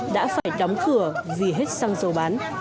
đã phải đóng cửa vì hết xăng dầu bán